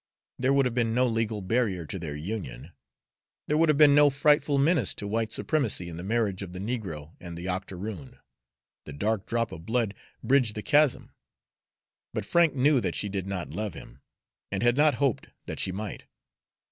There would have been no legal barrier to their union; there would have been no frightful menace to white supremacy in the marriage of the negro and the octoroon: the drop of dark blood bridged the chasm. But Frank knew that she did not love him, and had not hoped that she might.